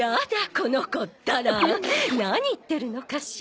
この子ったら何言ってるのかしら。